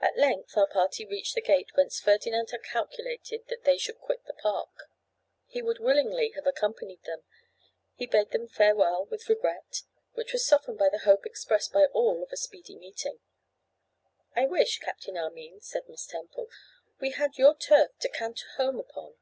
At length our party reached the gate whence Ferdinand had calculated that they should quit the park. He would willingly have accompanied them. He bade them farewell with regret, which was softened by the hope expressed by all of a speedy meeting. 'I wish, Captain Armine,' said Miss Temple, 'we had your turf to canter home upon.